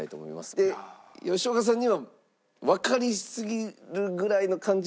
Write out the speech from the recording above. で吉岡さんにはわかりすぎるぐらいの感じは出さずに。